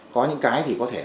có những cái thì có thể